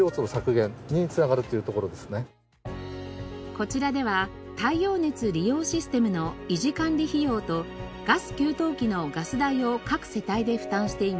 こちらでは太陽熱利用システムの維持管理費用とガス給湯器のガス代を各世帯で負担しています。